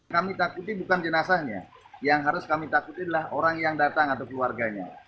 kami takuti bukan jenazahnya yang harus kami takuti adalah orang yang datang atau keluarganya